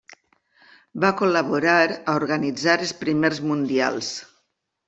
Va col·laborar a organitzar els primers mundials.